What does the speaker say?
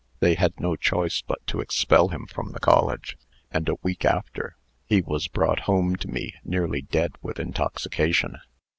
They had no choice but to expel him from the college; and, a week after, he was brought home to me nearly dead with intoxication.